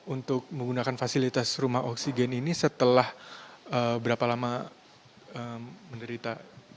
untuk menggunakan fasilitas rumah oksigen ini setelah berapa lama menderita